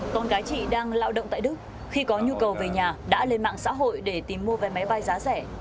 con gái chị đang lao động tại đức khi có nhu cầu về nhà đã lên mạng xã hội để tìm mua vé máy bay giá rẻ